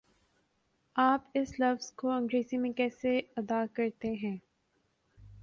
آپ اس لفظ کو انگریزی میں کیسے ادا کرتےہیں؟